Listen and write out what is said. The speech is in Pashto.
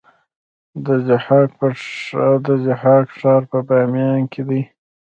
د ضحاک ښار په بامیان کې دی